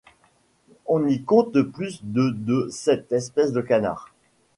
On y compte plus de de cette espèce de canard.